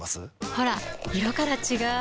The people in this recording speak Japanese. ほら色から違う！